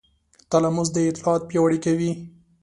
تلاموس دا اطلاعات پیاوړي کوي.